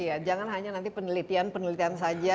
iya jangan hanya nanti penelitian penelitian saja